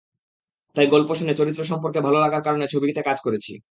তাই গল্প শুনে চরিত্র সম্পর্কে ভালো লাগার কারণে ছবিতে কাজ করেছি।